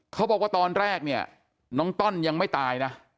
เขาบอกว่าตอนแรกเนี่ยน้องต้อนยังไม่ตายนะ